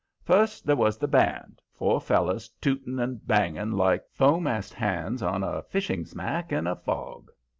First there was the band, four fellers tooting and banging like fo'mast hands on a fishing smack in a fog.